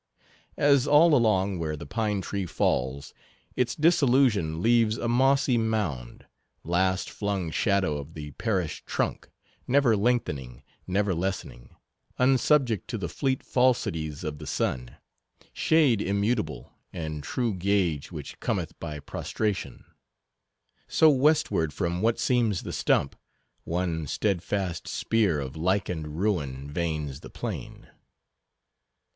As all along where the pine tree falls, its dissolution leaves a mossy mound—last flung shadow of the perished trunk; never lengthening, never lessening; unsubject to the fleet falsities of the sun; shade immutable, and true gauge which cometh by prostration—so westward from what seems the stump, one steadfast spear of lichened ruin veins the plain.